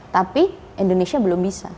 tapi indonesia belum bisa